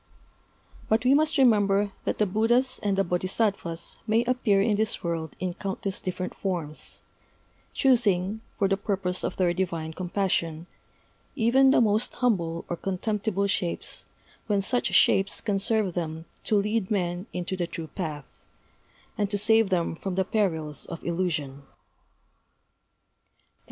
But we must remember that the Buddhas and the Bodhisattvas may appear in this world in countless different forms; choosing, for the purpose of their divine compassion, even the most humble or contemptible shapes when such shapes can serve them to lead men into the true path, and to save them from the perils of illusion.